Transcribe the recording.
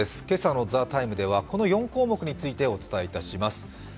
今朝の「ＴＨＥＴＩＭＥ，」ではこの４項目についてお伝えします